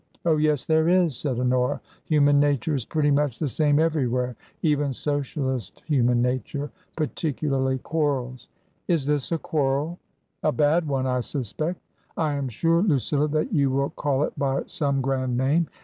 " Oh, yes, there is," said Honora ;" human nature is pretty much the same everywhere, even Socialist human nature. Particularly quarrels.*' " Is this a quarrel ?" 26o TRANSITION. "A bad one, I suspect I am sure, Lucilla, that you will call it by some grand name.